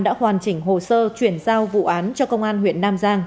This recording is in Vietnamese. đã hoàn chỉnh hồ sơ chuyển giao vụ án cho công an huyện nam giang